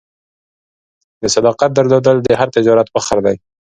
د صداقت درلودل د هر تجارت فخر دی.